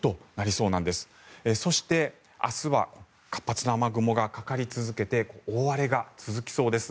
そして、明日は活発な雨雲がかかり続けて大荒れが続きそうです。